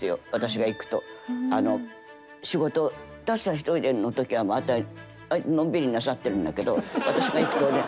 一人での時はのんびりなさってるんだけど私が行くとね